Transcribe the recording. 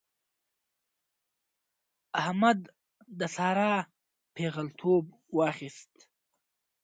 احمد د سارا پېغلتوب واخيست.